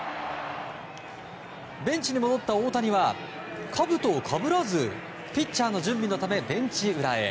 ベンチに戻った大谷はかぶとをかぶらずピッチャーの準備のためベンチ裏へ。